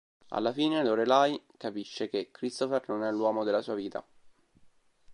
Alla fine, Lorelai capisce che Christopher non è l'uomo della sua vita.